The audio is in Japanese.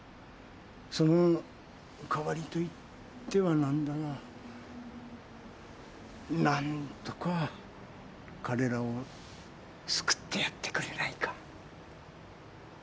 その代わりといってはなんだがなんとか彼らを救ってやってくれないか。